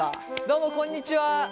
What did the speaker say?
どうもこんにちは。